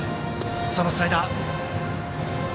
そのスライダー。